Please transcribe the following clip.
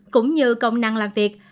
cũng như công năng làm việc